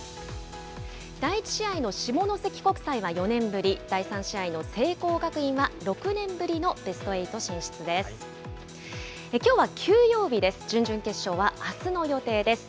第１試合の下関国際は４年ぶり、第３試合の聖光学院は６年ぶりのベストエイト進出です。